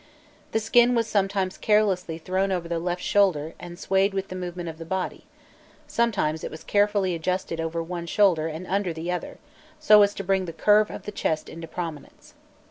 The skin was sometimes carelessly thrown over the left shoulder and swayed with the movement of the body; sometimes it was carefully adjusted over one shoulder and under the other, so as to bring the curve of the chest into prominence.